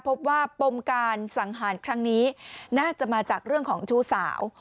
พบว่าปมการสังหารครั้งนี้น่าจะมาจากเรื่องของชู้สาว